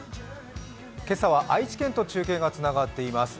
今朝は愛知県と中継がつながっています。